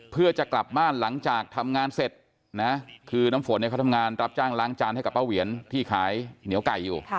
เพื่อจะกลับบ้านหลังจากทำงานเสร็จนะคือน้ำฝนเนี่ยเขาทำงานรับจ้างล้างจานให้กับป้าเหวียนที่ขายเหนียวไก่อยู่